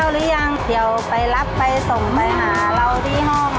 เดี๋ยวไปรับไปส่งไปหาเราที่ห้องอะไรแบบนี้